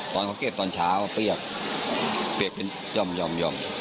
ตอนเขาเก็บตอนเช้าเปียกเปียกเป็นย่อม